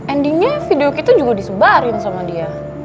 endingnya video kita juga disebarin sama dia